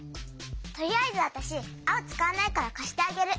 とりあえずわたしあおつかわないからかしてあげる。